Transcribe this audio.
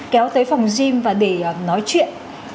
kéo tới phòng gym và để nói chuyện